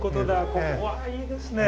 ここあいいですね。